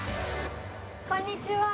こんにちは。